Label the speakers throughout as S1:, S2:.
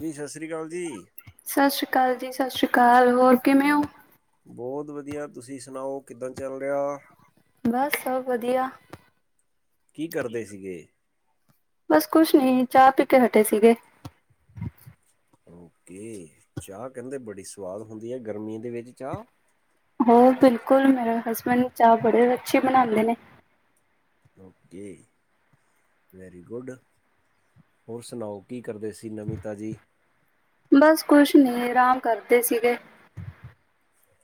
S1: ਜੀ ਸਤਿ ਸ਼੍ਰੀ ਅਕਾਲ ਜੀ।
S2: ਸਤਿ ਸ੍ਰੀ ਅਕਾਲ ਜੀ, ਸਤਿ ਸ਼੍ਰੀ ਅਕਾਲ। ਹੋਰ ਕਿਵੇਂ ਔਂ?
S1: ਬਹੁਤ ਵਧੀਆ, ਤੁਸੀਂ ਸੁਣਾਓ ਕਿੱਦਾਂ ਚੱਲ ਰਿਹਾ।
S2: ਬਸ ਸਭ ਵਧੀਆ।
S1: ਕੀ ਕਰਦੇ ਸੀਗੇ?
S2: ਬਸ ਕੁਛ ਨਈਂ ਚਾਹ ਪੀ ਕੇ ਹਟੇ ਸੀਗੇ।
S1: ਓਕੇ ਚਾਹ ਕਹਿੰਦੇ ਬੜੀ ਸਵਾਦ ਹੁੰਦੀ ਆ, ਗਰਮੀਂ ਦੇ ਵਿੱਚ ਚਾਹ?
S2: ਹੋਰ ਬਿਲਕੁੱਲ ਮੇਰੇ ਹਸਬੈਂਡ ਚਾਹ ਬੜੀ ਅੱਛੀ ਬਣਾਂਦੇ ਨੇਂ।
S1: ਓਕੇ ਵੈਰੀ ਗੁੱਡ, ਹੋਰ ਸੁਣਾਓ ਕੀ ਕਰਦੇ ਸੀ ਨਵੀਂ ਤਾਜੀ
S2: ਬਸ ਕੁੱਛ ਨਈਂ ਆਰਾਮ ਕਰਦੇ ਸੀਗੇ।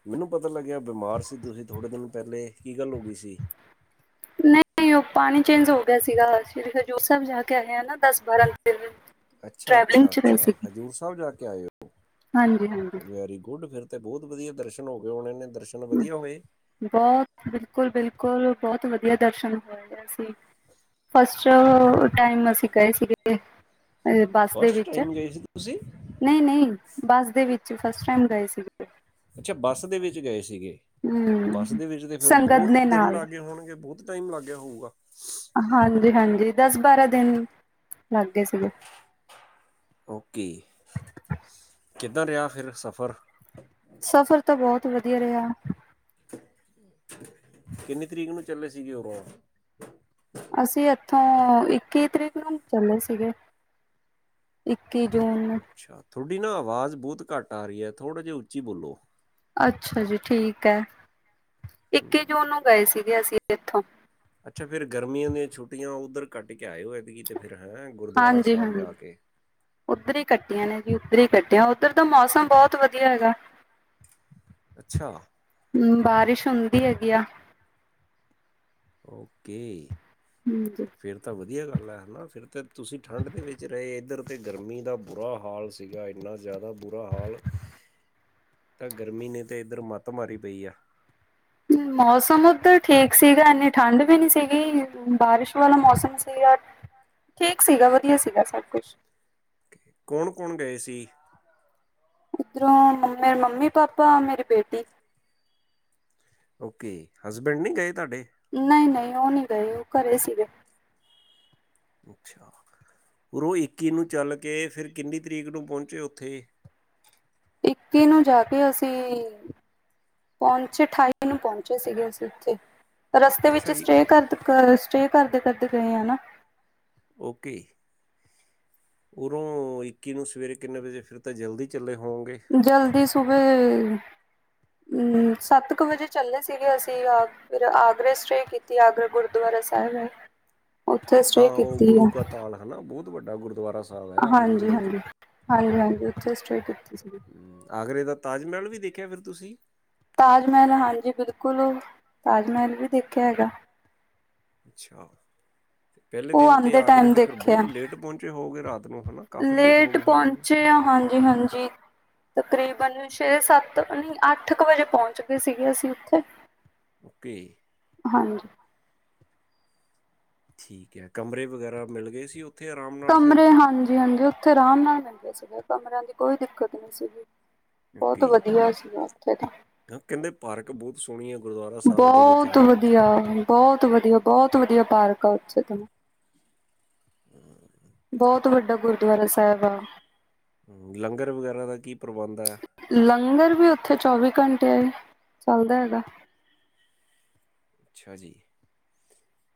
S1: ਮੈਨੂੰ ਪਤਾ ਲੱਗਿਆ ਬਿਮਾਰ ਸੀ ਤੁਸੀਂ ਥੋੜੇ ਦਿਨ ਪਹਿਲੇ ਕੀ ਗੱਲ ਹੋ ਗਈ ਸੀ।
S2: ਨਈਂ ਉਹ ਪਾਣੀ ਚੇਂਜ ਹੋ ਗਿਆ ਸੀਗਾ, ਸ਼੍ਰੀ ਹਜ਼ੂਰ ਸਾਹਿਬ ਜਾ ਕੇ ਆਏ ਆਂ ਨਾਂ ਦਸ ਬਾਰਾਂ ਦਿਨ।
S1: ਅੱਛਾ
S2: ਟਰੈਵਲਿੰਗ
S1: ਅੱਛਾ
S2: ਚ ਰਹੇ
S1: ਅੱਛਾ,
S2: ਸੀਗੇ
S1: ਹਜ਼ੂਰ ਸਾਹਿਬ ਜਾ ਕੇ ਆਏ ਔ
S2: ਹਾਂਜੀ ਹਾਂਜੀ
S1: ਵੈਰੀ ਗੁੱਡ ਫਿਰ। ਤੇ ਬਹੁਤ ਵਧੀਆ ਦਰਸ਼ਨ ਹੋ ਗਏ ਹੋਣੇ ਨੇਂ ਦਰਸ਼ਨ ਵਧੀਆ ਹੋਏ।
S2: ਬਹੁਤ ਬਿਲਕੁਲ ਬਿਲਕੁਲ ਬਹੁਤ ਵਧੀਆ ਦਰਸ਼ਨ ਹੋ ਗਏ ਸੀ। ਚਲੋ ਟਾਈਮ ਅਸੀਂ ਗਏ ਸੀਗੇ, ਬੱਸ ਦੇ
S1: ਫਸਟ
S2: ਵਿੱਚ
S1: ਟਾਈਮ ਗਏ ਸੀ ਤੁਸੀਂ
S2: ਨਈਂ ਨਈਂ, ਬੱਸ ਦੇ ਵਿੱਚ ਫਸਟ ਟਾਈਮ ਗਏ ਸੀਗੇ।
S1: ਅੱਛਾ ਬੱਸ ਦੇ ਵਿੱਚ ਗਏ ਸੀਗੇ। ਬੱਸ
S2: ਹਮ।
S1: ਦੇ ਵਿੱਚ ਤੇ ਫਿਰ
S2: ਸੰਗਤ
S1: ਬਹੁਤ
S2: ਦੇ
S1: ਦਿਨ
S2: ਨਾਲ
S1: ਲੱਗ ਹੋਣਗੇ ਬਹੁਤ ਬਹੁਤ ਟਾਈਮ ਲੱਗ ਗਿਆ ਹੋਊਗਾ।
S2: ਹਾਂਜੀ ਹਾਂਜੀ, ਦਸ ਬਾਰਾਂ ਦਿਨ ਲੱਗ ਗਏ ਸੀਗੇ।
S1: ਓਕੇ, ਕਿੱਦਾਂ ਰਿਹਾ ਫਿਰ ਸਫ਼ਰ?
S2: ਸਫ਼ਰ ਤਾਂ ਬਹੁਤ ਵਧੀਆ ਰਿਹਾ।
S1: ਕਿੰਨੀ ਤਰੀਕ ਨੂੰ ਚੱਲੇ ਸੀਗੇ ਉਰੋਂ
S2: ਅਸੀਂ ਇੱਥੋਂ ਇੱਕੀ ਤਰੀਕ ਨੂੰ ਚੱਲੇ ਸੀਗੇ। ਇੱਕੀ ਜੂਨ। ਨੂੰ
S1: ਅੱਛਾ, ਤੁਹਾਡੀ ਨਾਂ ਆਵਾਜ਼ ਬਹੁਤ ਘੱਟ ਆ ਰਹੀ ਐ, ਥੋੜ੍ਹਾ ਜਿਆ ਉੱਚੀ ਬੋਲੋ।
S2: ਅੱਛਾ ਜੀ ਠੀਕ ਐ, ਇੱਕੀ
S1: ਹਮ,
S2: ਜੂਨ ਨੂੰ ਗਏ ਸੀਗੇ ਅਸੀਂ ਇੱਥੋਂ।
S1: ਅੱਛਾ ਫਿਰ ਗਰਮੀਂਆਂ ਦੀਆਂ ਛੁੱਟੀਆਂ ਉੱਧਰ ਕੱਟ ਕੇ ਆਏ ਹੋਏ ਤੇ ਫਿਰ ਹੈਂ ਗੁਰੂਦੁਆਰਾ
S2: ਹਾਂਜੀ
S1: ਸਾਹਿਬ
S2: ਹਾਂਜੀ
S1: ਜਾ ਕੇ।
S2: ਉੱਧਰ ਈ ਕੱਟੀਆਂ ਨੇਂ ਜੀ ਉੱਧਰ ਹੀ ਕੱਟੀਆਂ ਉੱਧਰ ਦਾ ਮੌਸਮ ਬਹੁਤ ਵਧੀਆ ਹੈਗਾ।
S1: ਅੱਛਾ।
S2: ਹਂ, ਬਾਰਿਸ਼ ਹੁੰਦੀ ਹੈਗੀ ਆ।
S1: ਓਕੇ।
S2: ਹਂ [unintelligible]
S1: ਫਿਰ ਤਾਂ ਵਧੀਆ ਗੱਲ ਐ ਹਨਾਂ? ਫਿਰ ਤਾਂ ਤੁਸੀਂ ਠੰਡ ਦੇ ਵਿੱਚ ਰਹੇ ਇੱਧਰ ਤਾਂ ਗਰਮੀ ਦਾ ਬੁਰਾ ਹਾਲ ਸੀ। ਸੀਗਾ ਇੰਨਾ ਜ਼ਿਆਦਾ ਬੁਰਾ ਹਾਲ।
S2: ਹ
S1: ਤਾਂ ਗਰਮੀਂ ਨੇ ਤਾਂ ਇੱਧਰ ਮੱਤ ਮਾਰੀ ਪਈ ਆ।
S2: ਮੌਸਮ ਉੱਧਰ ਠੀਕ ਸੀਗਾ, ਇੰਨੀ ਠੰਡ ਵੀ ਨਹੀਂ ਸੀਗੀ, ਬਾਰਿਸ਼ ਵਾਲਾ ਮੌਸਮ ਸੀਗਾ। ਠੀਕ ਸੀਗਾ, ਵਧੀਆ ਸੀਗਾ, ਸਭ ਕੁੱਛ।
S1: ਕੌਣ ਕੌਣ ਗਏ ਸੀ‌
S2: ਇੱਧਰੋਂ ਮੇਰੇ ਮੰਮੀ ਪਾਪਾ ਮੇਰੀ ਬੇਟੀ
S1: ਓਕੇ ਹਸਬੈਂਡ ਨਹੀਂ ਗਏ ਤੁਹਾਡੇ।
S2: ਨਹੀਂ ਨਹੀਂ ਉਹ ਨਹੀਂ ਗਏ ਉਹ ਘਰੇਂ ਸੀਗੇ।
S1: ਅੱਛਾ, ਉਰੋ ਇੱਕੀ ਨੂੰ ਚੱਲ ਕੇ ਫਿਰ ਕਿੰਨੀ ਤਰੀਕ ਨੂੰ ਪਹੁੰਚੇ ਉੱਥੇ।
S2: ਇੱਕੀ ਨੂੰ ਜਾ ਕੇ ਅਸੀਂ। ਪਹੁੰਚੇ ਅਠਾਈ ਨੂੰ ਪਹੁੰਚੇ ਸੀਗੇ ਅਸੀਂ ਉੱਥੇ। ਰਸਤੇ ਵਿੱਚ
S1: ਅੱਛਾ ਜੀ
S2: ਸਟੇਅ ਕਰਦੇ ਸਟੇਅ ਕਰਦੇ ਕਰਦੇ ਗਏ ਹੈ ਨਾ।
S1: ਓਕੇ। ਉਰੋਂ ਇੱਕੀ ਨੂੰ ਸਵੇਰੇ ਕਿੰਨੇ ਵਜੇ, ਫਿਰ ਤਾਂ ਜਲਦੀ ਚੱਲੇ ਹੋਵਗੇ।
S2: ਜਲਦੀ ਸੁਬੇ, ਸੱਤ ਕੁ ਵਜੇ ਚੱਲੇ ਸੀਗੇ ਅਸੀਂ। ਫਿਰ ਆਗਰੇ ਸਟੇਅ ਕੀਤੀ ਆਗਰਾ ਗੁਰਦੁਆਰਾ ਸਾਹਿਬ ਹੈ। ਉੱਥੇ ਸਟੇਅ ਕੀਤੀ ਆ।
S1: ਹਨਾ ਬਹੁਤ ਵੱਡਾ ਗੁਰਦੁਆਰਾ ਸੀ।
S2: ਹਾਂਜੀ ਹਾਂਜੀ, ਹਾਂਜੀ ਹਾਂਜੀ ਉੱਥੇ ਸਟੇਅ ਕੀਤੀ ਸੀਗੀ।
S1: ਆਗਰੇ ਦਾ ਤਾਜ ਮਹਿਲ ਵੀ ਦੇਖਿਆ ਫਿਰ ਤੁਸੀਂ।
S2: ਤਾਜ ਮਹਿਲ ਹਾਂਜੀ ਬਿਲਕੁਲ ਤਾਜ ਮਹਿਲ ਵੀ ਦੇਖਿਆ ਹੈਗਾ।
S1: ਅੱਛਾ। ਪਹਿਲੇ
S2: ਉਹ
S1: ਦਿਨ ਤੇ
S2: ਆਉਂਦੇ
S1: ਆਗਰੇ
S2: ਟਾਈਮ
S1: ਤੇ ਫਿਰ ਬਹੁਤ
S2: ਦੇਖਿਆ
S1: ਲੇਟ ਪਹੁੰਚੇ ਹੋਗੇ ਰਾਤ ਨੂੰ ਹਨਾ, ਕਾਫੀ ਲੇਟ ਹੋ ਗਏ। ਹੋਵੋਗੇ
S2: ਪਹੁੰਚੇ ਆ ਹਾਂਜੀ ਹਾਂਜੀ। ਤਕਰੀਬਨ ਛੇ ਸੱਤ ਨਹੀਂ ਅੱਠ ਕੁ ਵਜੇ ਪਹੁੰਚ ਗਏ ਸੀਗੇ ਅਸੀਂ ਉੱਥੇ।
S1: ਓਕੇ।
S2: ਹਾਂਜੀ।
S1: ਠੀਕ ਹੈ ਕਮਰੇ ਵਗੈਰਾ ਮਿਲ ਗਏ ਸੀ। ਉੱਥੇ ਆਰਾਮ ਨਾਲ ਫਿਰ
S2: ਕਮਰੇ ਹਾਂਜੀ ਹਾਂਜੀ। ਉੱਥੇ ਆਰਾਮ ਨਾਲ ਪੈਂਦੇ ਸੀਗੇ, ਕਮਰਿਆਂ ਦੀ ਕੋਈ ਦਿੱਕਤ ਨਹੀਂ ਸੀਗੀ। ਬਹੁਤ
S1: ਓਕੇ
S2: ਵਧੀਆ ਸੀਗਾ ਉੱਥੇ ਤਾਂ।
S1: ਕਹਿੰਦੇ ਪਾਰਕ ਬਹੁਤ ਸੋਹਣੀ ਹੈ, ਗੁਰਦੁਆਰਾ ਸਾਹਿਬ ਦੇ ਵਿੱਚ
S2: ਬਹੁਤ
S1: ਹਨਾ।
S2: ਵਧੀਆ ਬਹੁਤ ਵਧੀਆ ਬਹੁਤ ਵਧੀਆ ਪਾਰਕ ਆ ਉੱਥੇ ਤਾਂ।
S1: ਹੂੰ।
S2: ਬਹੁਤ ਵੱਡਾ ਗੁਰਦੁਆਰਾ। ਗੁਰਦੁਆਰਾ ਸਾਹਿਬ ਹੈ।
S1: ਲੰਗਰ ਵਗੈਰਾ ਦਾ ਕੀ ਪ੍ਰਬੰਧ ਹੈ।
S2: ਲੰਗਰ ਵੀ ਉੱਥੇ ਚੌਵੀ ਘੰਟੇ ਚੱਲਦਾ ਹੈਗਾ।
S1: ਅੱਛਾ ਜੀ।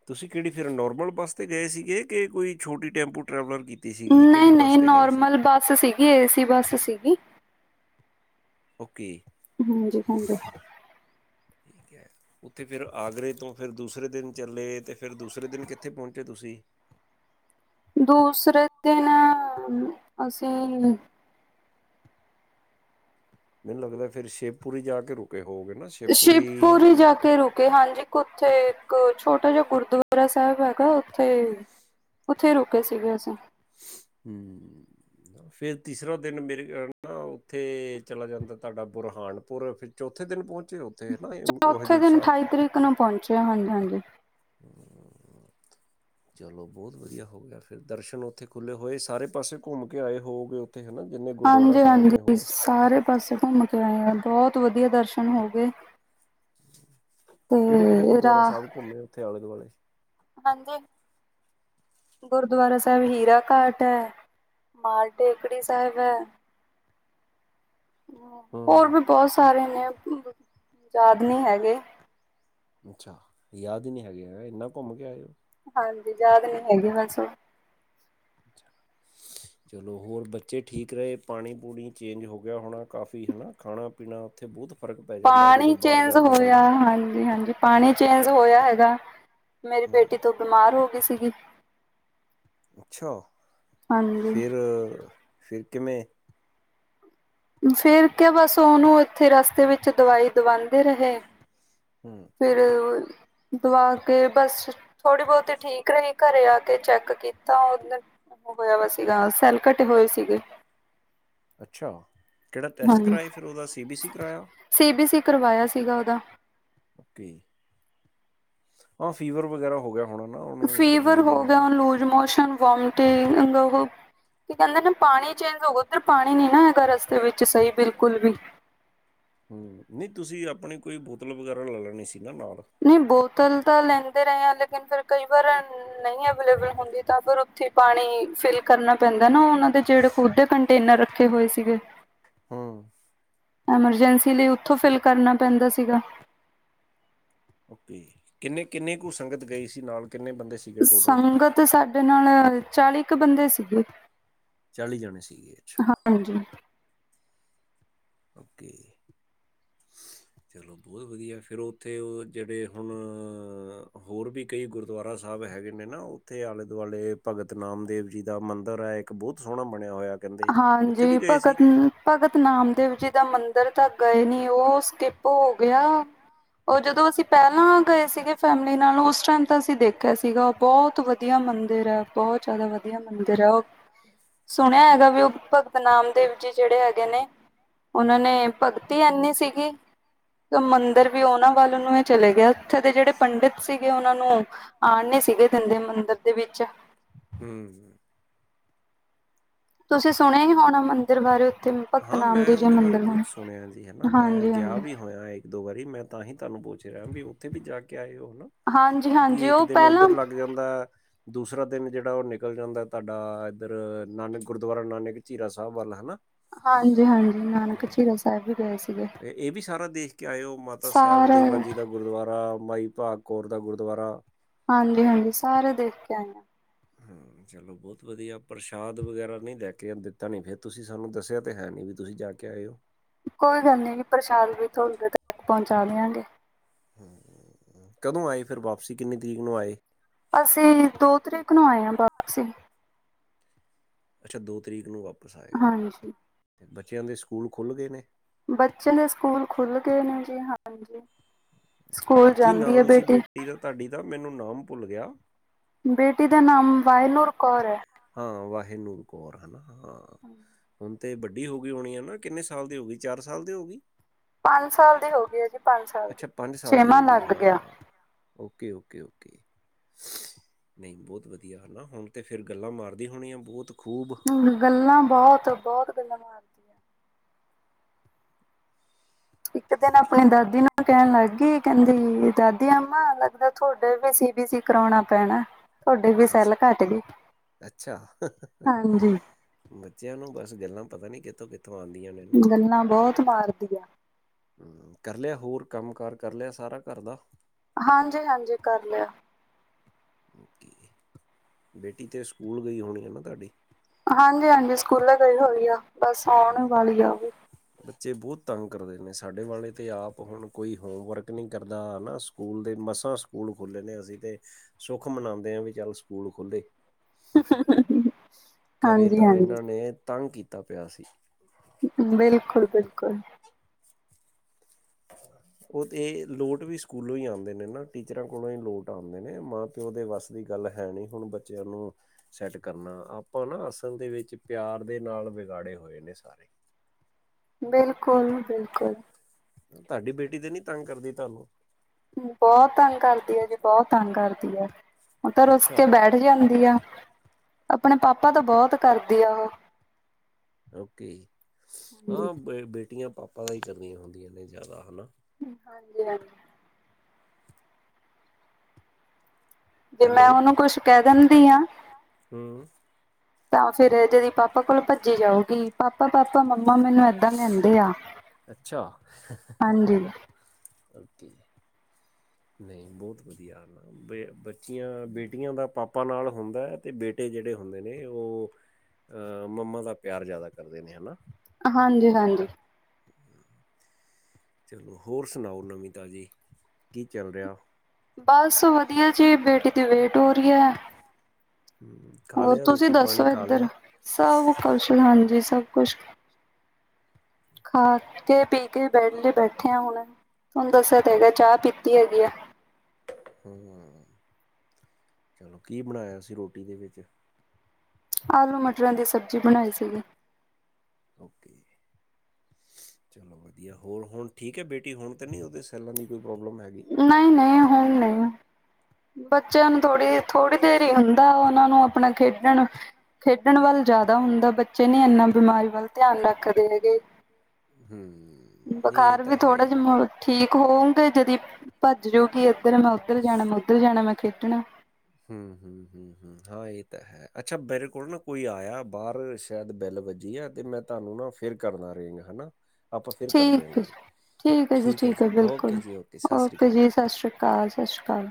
S1: ਤੁਸੀਂ ਕਿਹੜੀ ਫੇਰ ਨੋਰਮਲ ਬੱਸ ਤੇ ਗਏ ਸੀਗੇ ਕਿ, ਕੋਈ ਛੋਟੀ ਟੈਂਪੂ ਟਰੈਵਲਰ ਕੀਤੀ। ਕੀਤੀ ਸੀਗੀ ਕਿਹੜੀ ਬੱਸ 'ਤੇ ਗਏ ਸੀ।
S2: ਇਹ ਏ ਸੀ ਬੱਸ ਸੀਗੀ।
S1: ਓਕੇ।
S2: ਹਾਂਜੀ ਹਾਂਜੀ।
S1: ਇਹ। ਠੀਕ ਹੈ ਉੱਥੇ ਫਿਰ ਆਗਰੇ ਤੋਂ ਫਿਰ ਦੂਸਰੇ ਦਿਨ ਚੱਲੇ ਅਤੇ ਫਿਰ ਦੂਸਰੇ ਦਿਨ ਕਿੱਥੇ ਪਹੁੰਚੇ ਤੁਸੀਂ।
S2: ਦੂਸਰੇ ਦਿਨ ਅਸੀਂ।
S1: ਮੈਨੂੰ ਲੱਗਦਾ ਫੇਰ ਸ਼ਿਵਪੁਰੀ ਜਾ ਕੇ ਰੁਕੇ ਹੋਗੇ ਨਾ।
S2: ਸ਼ਿਵਪੁਰੀ
S1: ਸ਼ੇਪੂਰੀ
S2: ਜਾ ਕੇ ਰੁਕੇ ਹਾਂਜੀ। ਉੱਥੇ ਇੱਕ ਛੋਟਾ ਜਿਹਾ ਗੁਰਦੁਆਰਾ ਸਾਹਿਬ ਹੈਗਾ ਉੱਥੇ। ਉੱਥੇ ਈ ਰੁਕੇ ਸੀਗੇ ਅਸੀਂ।
S1: ਹੂੰ ਫੇਰ ਤੀਸਰਾ ਦਿਨ ਮੇਰੇ ਕਹਿਣ ਤਾਂ। ਤਾਂ ਉੱਥੇ ਚਲਾ ਜਾਂਦਾ ਤੁਹਾਡਾ ਬੁਰਹਾਨਪੁਰ ਫਿਰ ਚੌਥੇ ਦਿਨ ਪਹੁੰਚੇ ਹੋ।
S2: ਚੌਥੇ ਦਿਨ ਅਠਾਈ ਤਰੀਕ ਨੂੰ ਪਹੁੰਚਿਆ ਹਾਂ ਹਾਂਜੀ ਹਾਂਜੀ। ਹੂੰ।
S1: ਚਲੋ ਬਹੁਤ ਵਧੀਆ ਹੋ ਗਿਆ ਫਿਰ ਦਰਸ਼ਨ ਉੱਥੇ ਖੁੱਲ੍ਹੇ ਹੋਏ, ਸਾਰੇ ਪਾਸੇ ਘੁੰਮ ਕੇ ਆਏ ਹੋ ਵੋ ਗੇ। ਉੱਥੇ ਹੈਨਾ ਕਿੰਨੇ ਗੁਰਦੁਆਰਾ ਸਾਹਿਬ ਨੇ
S2: ਹਾਂਜੀ-ਹਾਂਜੀ
S1: ਹੋਰ।
S2: ਸਾਰੇ ਪਾਸੇ ਘੁੰਮ ਕੇ ਆਏ ਆਂ, ਬਹੁਤ ਵਧੀਆ ਦਰਸ਼ਨ ਹੋ ਗਏ।
S1: ਕਿਹੜੇ ਕਿਹੜੇ
S2: ਤੇ
S1: ਗੁਰਦੁਆਰਾ
S2: ਰਾਹ
S1: ਸਾਹਿਬ ਘੁੰਮੇ ਉੱਥੇ ਆਲ਼ੇ ਦੁਆਲੇ
S2: ਹਾਂਜੀ ਗੁਰਦੁਆਰਾ ਸਾਹਿਬ ਹੀਰਾ ਘਾਟ ਹੈ, ਮਾਲ ਟੇਕੜੀ ਸਾਹਿਬ ਹੈ। ਹੋਰ
S1: ਹੂੰ
S2: ਵੀ ਬਹੁਤ ਸਾਰੇ ਨੇ ਯਾਦ ਨਹੀਂ ਹੈਗੇ‌।
S1: ਅੱਛਾ ਯਾਦ ਨਹੀਂ ਹੈਗੇ, ਹੈਂ ਇੰਨਾ ਘੁੰਮ ਕੇ ਆਏ ਓ।
S2: ਹਾਂਜੀ, ਯਾਦ ਨੀ ਹੈਗੀ ਹਸੋ।
S1: ਅਛਾ ਚਲੋ ਹੋਰ ਬੱਚੇ ਠੀਕ ਰਹੇ, ਪਾਣੀ ਪੂਣੀ ਚੇਂਜ ਹੋ ਗਿਆ ਹੋਣਾ ਕਾਫੀ ਹੈਨਾ ਖਾਣਾ ਪੀਣਾ, ਉੱਥੇ ਬਹੁਤ ਫ਼ਰਕ ਪੈ ਜਾਂਦਾ ਜਦੋਂ
S2: ਪਾਣੀ
S1: ਬਾਹਰ
S2: ਚੇਂਜ
S1: ਜਾਂਦਾ
S2: ਹੋਇਆ
S1: ਬੰਦਾ।
S2: ਹਾਂਜੀ, ਹਾਂਜੀ ਪਾਣੀ ਚੇਂਜ ਹੋਇਆ ਹੈਗਾ। ਮੇਰੀ
S1: ਹੂੰ
S2: ਬੇਟੀ ਤੋ ਬਿਮਾਰ ਹੋ ਗਈ ਸੀਗੀ।
S1: ਅੱਛਾ
S2: ਹਾਂਜੀ
S1: ਫਿਰ, ਫਿਰ ਕਿਵੇਂ।
S2: ਫਿਰ ਕੇ ਬਸ ਉਹਨੂੰ ਇੱਥੇ ਰਸਤੇ ਵਿੱਚ ਦਵਾਈ ਦਵਾਉਂਦੇ ਰਹੇ।
S1: ਹੂ
S2: ਫਿਰ ਔ ਦਵਾ ਕੇ ਬਸ ਥੋੜੀ ਬਹੁਤੀ ਠੀਕ ਰਹੀ ਘਰੇ ਆ ਕੇ ਚੈੱਕ ਕੀਤੀ। ਤਾਂ ਉਧਰਮ ਹੋਇਆਂ ਵਾ ਸੀਗਾ ਸੈੱਲ ਘਟੇ ਹੋਏ ਸੀਗੇ।
S1: ਅੱਛਾ, ਕਿਹੜਾ ਟੈਸਟ
S2: ਹਾਂਜੀ
S1: ਕਰਾਏ, ਫਿਰ ਉਹਦਾ ਸੀ ਬੀ ਸੀ ਕਰਵਾਇਆ।
S2: ਸੀ ਬੀ ਸੀ ਕਰਵਾਇਆ ਸੀਗਾ ਉਹਦਾ।
S1: ਓਕੇ, ਔ ਫੀਵਰ ਵਗੈਰਾ ਹੋ ਗਿਆ। ਹੋਣਾ ਨਾ ਉਹਨੂੰ
S2: ਫੀਵਰ
S1: ਗਰਮੀ
S2: ਹੋ
S1: ਦੇ ਨਾਲ
S2: ਗਿਆ, ਲੂਜ਼ ਮੋਸ਼ਨ ਵੋਮਟਿੰਗ ਕੀ ਕਹਿੰਦੇ ਨਾ ਪਾਣੀ ਚੇਂਜ ਹੋਗਾ, ਉਧਰ ਪਾਣੀ ਨੀ ਨਾ ਹੈਗਾ, ਰਸਤੇ ਵਿੱਚ ਸਹੀ ਬਿਲਕੁਲ ਵੀ।
S1: ਨਹੀਂ ਤੁਸੀਂ ਆਪਣੀ ਕੋਈ ਬੋਤਲ ਵਗੈਰਾ ਲੈ ਲੈਣੀ ਸੀ ਨਾ ਨਾਲ,
S2: ਨਹੀਂ ਬੋਤਲ ਤਾਂ ਲੈਂਦੇ ਰਹੇ ਆਂ, ਲੇਕਿਨ ਫਿਰ ਕਈ ਵਾਰ ਐ ਨਹੀਂ ਅਵੇਲੇਬਲ ਹੁੰਦੀ, ਤਾਂ ਫਿਰ ਉੱਥੇ ਪਾਣੀ ਫਿਲ ਕਰਨਾ ਪੈਂਦਾ ਨਾ ਉਹਨਾਂ ਦੇ ਜਿਹੜੇ ਖੁਦ ਦੇ ਕੰਟੇਨਰ ਰੱਖੇ ਹੋਏ ਸੀਗੇ।
S1: ਹੂ
S2: ਐਮਰਜੈਂਸੀ ਲਈ ਉੱਥੋਂ ਫਿਲ ਕਰਨਾ ਪੈਂਦਾ ਸੀਗਾ।
S1: ਓਕੇ, ਕਿੰਨੇ ਕਿੰਨੇ ਕੁ ਸੰਗਤ ਗਈ ਸੀ ਨਾਲ, ਕਿੰਨੇ ਬੰਦੇ ਸੀ
S2: ਸੰਗਤ ਸਾਡੇ ਨਾਲ ਚਾਲੀ ਕੁ ਬੰਦੇ ਸੀਗੇ।
S1: ਚਾਲੀ ਜਾਣੇ ਸੀਗੇ। ਅੱਛਾ
S2: ਹਾਂਜੀ
S1: ਓਕੇ
S2: ਹ
S1: ਚਲੋ ਬਹੁਤ ਵਧੀਆ। ਫਿਰ ਉੱਥੇ ਉਹ ਜਿਹੜੇ ਹੁਣ ਹੋਰ ਵੀ ਕਈ ਗੁਰ। ਗੁਰਦੁਆਰਾ ਸਾਹਿਬ ਹੈਗੇ ਨੇ ਨਾ ਉੱਥੇ ਆਲੇ ਦੁਆਲੇ ਭਗਤ ਨਾਮਦੇਵ ਜੀ ਦਾ ਮੰਦਰ ਹੈ, ਇੱਕ ਬਹੁਤ ਸੋਹਣਾ ਬਣਿਆ ਹੋਇਆ। ਕਹਿੰਦੇ ਉੱਥੇ
S2: ਹਾਂਜੀ,
S1: ਵੀ ਗਏ ਸੀ
S2: ਭਗਤ ਭਗਤ ਨਾਮਦੇਵ ਜੀ ਦਾ ਮੰਦਿਰ ਤਾਂ ਗਏ ਨੀ, ਉਹ ਸਕਿਪ ਹੋ ਗਿਆ। ਉਹਰ ਜਦੋਂ ਅਸੀਂ ਪਹਿਲਾਂ ਗਏ ਸੀਗੇ ਫੈਮਿਲੀ ਨਾਲ, ਉਸ ਟਾਈਮ ਤਾਂ ਅਸੀਂ ਦੇਖਿਆ ਸੀਗਾ ਬਹੁਤ ਵਧੀਆ ਮੰਦਿਰ ਹੈ। ਬਹੁਤ ਜ਼ਿਆਦਾ ਵਧੀਆਂ ਮੰਦਿਰ ਹੈਂ, ਉਹ ਸੁਣਿਆਂ ਹੈਗਾ। ਭਗਤ ਨਾਮਦੇਵ ਜੀ, ਜਿਹੜੇ ਹੈਗੇ ਨੇ ਉਹਨਾਂ ਨੇ ਭਗਤੀ ਆਨੀ ਸੀਗੀ। ਮੰਦਿਰ ਵੀ ਉਹਨਾਂ ਵੱਲ ਨੂੰ ਇਹ ਚਲੇ ਗਿਆ। ਉੱਥੇ ਦੇ ਜਿਹੜੇ ਪੰਡਿਤ ਸੀਗੇ ਉਹਨਾਂ ਨੂੰ, ਆਉਣ ਨੀ ਸੀਗੇ ਦੰਦੇ ਮੰਦਿਰ ਦੇ ਵਿੱਚ,
S1: ਹਮ, ਹਮ
S2: ਤੁਸੀਂ ਸੁਣਿਆ ਹੀ ਹੋਣਾ ਮੰਦਿਰ ਬਾਰੇ ਉੱਥੇ ਭਗਤ
S1: ਹਾਂ,
S2: ਨਾਮਦੇਵ
S1: ਮੈਂ
S2: ਜੀ
S1: ਉਹਦੇ ਬਾਰੇ
S2: ਮੰਦਿਰ
S1: ਬਹੁਤ ਸੁਣਿਆ ਜੀ ਹੈ। ਹਾਂ, ਮੈਂ
S2: ਹਾਂਜੀ
S1: ਗਿਆ
S2: ਹਾਂਜੀ
S1: ਵੀ ਹੋਇਆ। ਇੱਕ ਦੋ ਵਾਰੀ ਮੈਂ ਤਾਂ ਹੀ ਤੁਹਾਨੂੰ ਪੁੱਛ ਰਿਹਾ। ਵੀ ਉੱਥੇ ਵੀ ਜਾ ਕੇ ਆਏ ਹੋ,
S2: ਹਾਂਜੀ ਹਾਂਜੀ
S1: ਇੱਕ
S2: ਉਹ
S1: ਦਿਨ
S2: ਪਹਿਲਾਂ
S1: ਉੱਧਰ ਲੱਗ ਜਾ। ਮੈਂ ਦੂਸਰਾ ਦਿਨ ਜਿਹੜਾ ਉਹ ਨਿਕਲ ਜਾਂਦਾ ਤੁਹਾਡਾ ਇੱਧਰ ਨਾਨਕ ਗੁਰੂਦੁਆਰਾ ਨਾਨਕ। ਚੀਰਾਂ ਸਾਹਿਬ ਵਾਲਾ ਹਨਾ।
S2: ਹਾਂਜੀ ਹਾਂਜੀ, ਨਾਨਕ ਚੀਰਾਂ ਸਾਹਿਬ ਵੀ ਗਏ ਸੀਗੇ।
S1: ਇਹ ਇਹ ਵੀ ਸਾਰਾ ਦੇਖ ਕੇ ਆਏਓ ਮਾਤਾ ਸਾਹਿਬ
S2: ਸਾਰਾ
S1: ਦੇਵਾਂ ਜੀ ਦਾ ਗੁਰਦੁਆਰਾ ਮਾਈ ਭਾਗ ਕੌਰ ਦਾ ਗੁਰਦੁਆਰਾ
S2: ਹਾਂਜੀ ਹਾਂਜੀ ਸਾਰੇ ਦੇਖ ਕੇ ਆਏ ਹਾ
S1: ਹਾਂ ਚਲੋ ਬਹੁਤ ਵਧੀਆ -ਪ੍ਰਸ਼ਾਦ ਵਗੈਰਾ ਨਹੀਂ ਦੇ ਕੇ ਦਿੱਤਾ ਨਹੀਂ ਫਿਰ ਤੁਸੀਂ ਸਾਨੂੰ ਦੱਸਿਆ ਤਾਂ ਹੈ ਨਹੀਂ, ਵੀ ਤੁਸੀਂ ਜਾ ਕੇ ਆਏ ਹੋ।
S2: ਕੋਈ ਗੱਲ ਨੀ ਪ੍ਰਸ਼ਾਦ ਵੀ ਤੁਹਾਡੇ ਤੱਕ ਪਹੁੰਚਾ ਦਿਆਂਗੇ।
S1: ਕਦੋਂ ਆਏ ਫਿਰ ਵਾਪਸੀ, ਕਿੰਨੀ ਤਰੀਕ ਨੂੰ ਆਏ?
S2: ਅਸੀਂ, ਦੋ ਤਰੀਕ ਨੂੰ ਆਏ ਹਾਂ ਵਾਪਸ।
S1: ਅੱਛਾ ਦੋ ਤਰੀਕ ਨੂੰ ਵਾਪਸ ਆਏ ਹੋ।
S2: ਹਾਂਜੀ।
S1: ਬੱਚਿਆਂ ਦੇ ਸਕੂਲ ਖੁਲ ਗੇ ਨੇ
S2: ਬੱਚੇ ਦੇ ਸਕੂਲ ਖੁੱਲ ਗਏ ਨੇ ਜੀ ਬੱਚੇ ਨੇ ਸਕੂਲ ਖੁੱਲ ਗਏ ਨੇ ਜੀ
S1: ਕੀ ਨਾਮ ਸੀ ਬੇਟੀ ਦਾ ਤੁਹਾਡੀ ਦਾ ਮੈਨੂੰ ਨਾਮ ਭੁੱਲ ਗਿਆ
S2: ਬੇਟੀ ਦਾ ਨਾਮ ਵਾਇਨੂਰ ਕੌਰ ਏ।
S1: ਹਾ ਵਹੇਨੂਰ ਕੌਰ ਹਾ।
S2: ਹਮ
S1: ਹੁਣ ਤੇ ਵੱਡੀ ਹੋ ਗਈ ਹੋਣੀ ਹ ਨਾ ਕਿਨੀ ਹੋਗੀ ਚਾਰ ਸਾਲ ਦੀ ਹੋਗੀ।
S2: ਪੰਜ ਸਾਲ ਦੀ ਹੋ ਗਈ ਹ ਜੀ ਪੰਜ ਸਾਲ ਦੀ
S1: ਅੱਛਾ ਸਾਲ ਦੀ
S2: ਛੇਵਾਂ
S1: ਹੋ ਗਈ
S2: ਲੱਗ
S1: ਹਾਂ
S2: ਗਿਆ
S1: ਓਕੇ ਓਕੇ, ਨਹੀਂ ਬਹੁਤ ਵਧੀਆ ਹਨਾ ਹੁਣ ਤੇ ਫਿਰ ਗੱਲਾਂ ਮਾਰਦੀਆਂ ਹੋਣੀਆਂ ਬਹੁਤ ਖੂਬ।
S2: ਗੱਲਾਂ ਬਹੁਤ ਬਹੁਤ ਗੱਲਾਂ ਬਾਤ ਇੱਕ ਦਿਨ
S1: ਠੀਕ
S2: ਆਪਣੀ
S1: ਹੈ
S2: ਦਾਦੀ ਨੂੰ ਕਹਿਣ ਲੱਗ ਗਈ ਕਹਿੰਦੀ ਦਾਦੀ ਮਾਂ ਲੱਗਦਾ ਤੁਹਾਡੇ ਵੀ ਸੀਬੀ ਕਰਾਉਣਾ ਪੈਣਾ ਤੁਹਾਡੇ ਵੀ ਸੈੱਲ
S1: ਅੱਛਾ
S2: ਘੱਟ ਗਏ।
S1: ਅੱਛਾ
S2: ਹਾਂਜੀ,
S1: ਬੱਚਿਆਂ ਨੂੰ ਬਸ ਗੱਲਾਂ ਪਤਾ ਨੀ ਕਿੱਥੋਂ ਕਿੱਥੋਂ ਆਉਂਦੀ
S2: ਗੱਲਾਂ ਬਹੁਤ ਮਾਰਦੀਆਂ
S1: ਕਰ ਲਿਆ ਹੋਰ ਕੰਮ ਕਾਰ‌ ਸਭ ਘਰ ਦਾ।
S2: ਹਾਂਜੀ ਹਾਂਜੀ ਕਰ ਲਿਆ।
S1: ਬੇਟੀ ਤ ਸਕੂਲ ਘੀ ਹੋਣੀ ਹੈ ਨ ਤਿਵਾੜੀ
S2: ਹਾਂਜੀ ਹਾਂਜੀ ਸਕੂਲ ਗਈ ਹੋਈ ਆ। ਬਸ ਆਉਣ
S1: ਹਮ।
S2: ਵਾਲੀ ਆ ਉਹ ਵੀ।
S1: ਬੱਚੇ ਬਹੁਤ ਤੰਗ ਕਰਦੇ ਨੇ, ਸਾਡੇ ਵਾਲੇ ਤੇ ਆਪ ਹੁਣ ਕੋਈ ਹੋਮਵਰਕ ਨਹੀਂ ਕਰਦਾ ਨਾ ਹੋਣ ਦੇ ਮਸਾਂ ਸਕੂਲ ਖੁੱਲੇ ਨੇ, ਅਸੀਂ ਤੇ ਸੁੱਖ ਮਨਾਉਂਦੇ ਆ ਵੀ ਚਲ ਸਕੂਲ ਖੁੱਲੇ ਘਰੇ ਤਾਂ
S2: ਹਾਂਜੀ-ਹਾਂਜੀ,
S1: ਇਹਨਾਂ ਨੇ ਤੰਗ ਕੀਤਾ ਪਿਆ ਸੀ।
S2: ਬਿਲਕੁਲ-ਬਿਲਕੁਲ।
S1: ਉਹ ਤੇ ਲੋਟ ਵੀ ਸਕੂਲੋਂ ਈ ਆਂਦੇ ਨੇ ਨਾ, ਟੀਚਰਾਂ ਕੋਲੋਂ ਈ ਨੋਟ ਆਉਂਦੇ ਨੇ ਮਾਂ ਪਿਉ ਦੇ ਵੱਸ ਦੀ ਗੱਲ ਹੈ ਨੀ, ਹੁਣ ਬੱਚਿਆਂ ਨੂੰ ਸੈਟ ਕਰਨਾ। ਆਪਾਂ ਨਾ ਅਸਲ ਦੇ ਵਿੱਚ ਪਿਆਰ ਦੇ ਨਾਲ ਵਿਗਾੜੇ ਹੋਏ ਨੇ ਸਾਰੇ।
S2: ਬਿਲਕੁਲ-ਬਿਲਕੁਲ।
S1: ਤਾਡੀ ਬੇਟੀ ਤੇ ਨੀ ਤੰਗ ਕਰਦੀ ਤਾਨੂੰ?
S2: ਬਹੁਤ ਤੰਗ ਕਰਦੀ ਐ ਜੀ, ਬੋਤ ਤੰਗ ਕਰਦੀ ਐ, ਹੁਣ ਤਾਂ ਰੁਸ
S1: ਅੱਛਾ
S2: ਕੇ ਬੈਠ ਖਿਝ ਜਾਂਦੀ ਆ, ਆਪਨੇ ਪਾਪਾ ਦਾ ਬੋਤ ਕਰਦੀ ਆ ਓਹੋ
S1: ਓਕੇ, ਹਾਂ ਬੇ ਬੇਟੀਆਂ ਪਾਪਾ ਦਾ ਈ ਕਰਦੀਆਂ ਹੁੰਦੀਆਂ ਨੇ ਜਾਦਾ ਹਨਾ
S2: ਹੂੰ, ਹਾਂਜੀ-ਹਾਂਜੀ। ਜੇ
S1: ਹੈਲੋ
S2: ਮੈਂ ਓਨੂੰ ਕੁਛ ਕੈ ਦੇਂਦੀ ਆਂ।
S1: ਹੂੰ।
S2: ਤਾਂ ਫੇਰ ਜਦੀ ਪਾਪਾ ਕੋਲ ਪੱਜੀ ਜਾਊਗੀ, ਪਾਪਾ-ਪਾਪਾ ਮੰਮਾ ਮੈਨੂੰ ਏਦਾਂ ਕੈੰਦੇ ਆ।
S1: ਅੱਛਾ,
S2: ਹਾਂਜੀ,
S1: ਓਕੇ ਜੀ। ਨਈ, ਬਹੁਤ ਵਦੀਆ ਬੇ, ਬੱਚੀਆਂ ਬੇਟੀਆਂ ਦਾ ਪਾਪਾ ਨਾਲ ਹੁੰਦੈ, ਤੇ ਬੇਟੇ ਜੇੜੇ ਹੁੰਦੇ ਨੇ, ਓ ਆ ਮੰਮਾ ਦਾ ਪਿਆਰ ਜਾਦਾ ਕਰਦੇ ਨੇ, ਹਨਾ।
S2: ਹਾਂਜੀ-ਹਾਂਜੀ।
S1: [inaudible] ਚਲੋ, ਹੋਰ ਸੁਨਾਓ ਨਵੀਂ-ਤਾਜ਼ੀ ਕੀ ਚੱਲ ਰਿਆ?
S2: ਬਸ ਵਧੀਆ ਜੀ, ਬੇਟੀ ਦੀ ਵੇਟ ਹੋ ਰਹੀ ਐ।
S1: ਹੂੰ, ਖਾ ਲਿਆ ਰੋਟੀ ਪਾਣੀ
S2: ਦੱਸੋ
S1: ਖਾ
S2: ਇੱਧਰ?
S1: ਲਿਆ?
S2: ਸਭ ਕੁਛ ਹਾਂਜੀ, ਸਭ ਕੁਛ ਖਾ
S1: ਅੱਛਾ।
S2: ਕੇ, ਪੀ ਕੇ, ਬੈਡ ਤੇ ਬੈਠੇ ਆ ਹੁਨ ਤੁਹਾਨੂੰ ਦੱਸਿਆ ਤੇ ਹੈਗਾ, ਚਾਹ ਪੀਤੀ ਹੈਗੀ ਐ।
S1: ਹੂੰ, ਚਲੋ ਕੀ ਬਨਾਇਆ ਸੀ ਰੋਟੀ ਦੇ ਵਿੱਚ?
S2: ਆਲੂ ਮਟਰਾਂ ਦੀ ਸਬਜ਼ੀ ਬਣਾਈ ਸੀਗੀ।
S1: ਓਕੇ। ਚਲੋ ਵਧੀਆ, ਹੋਰ ਹੁਨ ਠੀਕ ਐ ਬੇਟੀ ਹੁਨ ਤੇ ਨਹੀਂ ਓਹਦੇ ਸੈੱਲਾਂ ਦੀ ਕੋਈ ਪ੍ਰੋਬਲਮ ਹੈਗੀ?
S2: ਨ‌ਈਂ-ਨ‌ਈਂ, ਹੁਣ ਨ‌ਈਂ ਆ। ਬੱਚਿਆਂ ਨੂੰ ਥੋੜੀ-ਥੋੜੀ ਦੇਰ ਈ ਹੁੰਦਾ ਐ, ਓਹਨਾਂ ਨੂੰ ਆਪਣਾ ਖੇਡ ਖੇਡਨ-ਖੇਡਨ ਵੱਲ ਜ਼ਿਆਦਾ ਹੁੰਦਾ ਬੱਚੇ ਨੀ ਇਨਾ ਬਿਮਾਰੀ ਵੱਲ ਧਿਆਨ ਰੱਖਦੇ ਹੈਗੇ।
S1: ਹੂੰ, ਨ‌ਈਂ ਇਹ
S2: ਬੁਖਾਰ ਵੀ
S1: ਤਾਂ ਹੈ
S2: ਥੋੜਾ
S1: ਈ
S2: ਜਿਹਾ ਠੀਕ ਹੋਊਗੇ ਜਦੀ ਭੱਜ ਜੂ ਗੀ ਇੱਧਰ ਮੈਂ ਓਧਰ ਜਾਨਾ, ਮੈਂ ਉੱਧਰ ਜਾਨਾ ਮੈਂ ਖੇਡਨਾ।
S1: ਹੂੰ-ਹੂੰ, ਹੂੰ-ਹੂੰ, ਹਾਂ ਇਹ ਤਾਂ ਹੈ। ਅੱਛਾ ਮੇਰੇ ਕੋਲ ਨਾ ਕੋਈ ਆਇਆ ਬਾਹਰ ਸ਼ਾਇਦ ਬੈਲ ਵੱਜੀ ਆ ਤੇ ਮੈਂ ਤੁਹਾਨੂੰ ਨਾ ਫਿਰ ਕਰਨਾ ਰਿੰਗ ਹੈਨਾ। ਆਪਾਂ ਫਿਰ ਕਰਦੇ ਆ
S2: ਠੀਕ ਹੈ
S1: ਗੱਲ।
S2: ਜੀ ਹੈ
S1: ਠੀਕ ਐ ਜੀ
S2: ਹੈ
S1: ਓਕੇ,
S2: ਬਿਲਕੁਲ
S1: ਜੀ ਓਕੇ। ਸਤਿ ਸ੍ਰੀ
S2: ਓਕੇ
S1: ਅਕਾਲ
S2: ਜੀ, ਸ਼‌ਾਸਰੀ ਕਾਲ, ਸ਼ਾਸਰੀ ਕਾਲ।